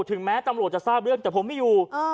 ถึงแม้ตำรวจจะทราบเรื่องแต่ผมไม่อยู่